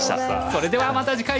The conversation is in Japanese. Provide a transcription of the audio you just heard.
それではまた次回。